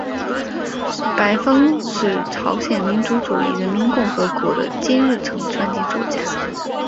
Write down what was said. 白峰是朝鲜民主主义人民共和国的金日成传记作家。